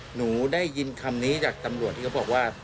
หนูได้ยินคำนี้จากตำรวจที่เขาบอกว่า